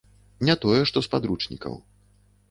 Не тое што з падручнікаў.